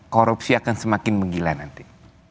korupsi akan semakin menggila nanti